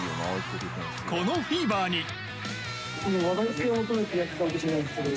このフィーバーに。